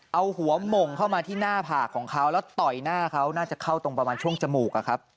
เอาหัวหม่งเข้ามาที่หน้าผากของเขาแล้วต่อยหน้าเขาน่าจะเข้าตรงประมาณช่วงจมูกอะครับ